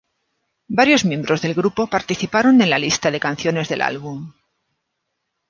Varios miembros del grupo participaron en la lista de canciones del álbum.